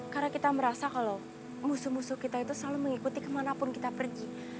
karena kita merasa kalau musuh musuh kita itu selalu mengikuti kemanapun kita pergi